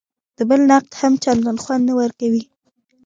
د بل نقد هم چندان خوند نه ورکوي.